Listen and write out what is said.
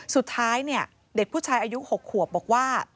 สุดท้ายเนี่ยเด็กผู้ชายอายุ๖ขวบบอกว่า